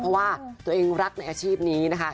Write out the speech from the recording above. เพราะว่าตัวเองรักในอาชีพนี้นะคะ